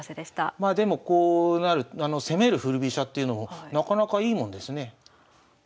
まあでもこうなる攻める振り飛車っていうのもなかなかいいもんですね。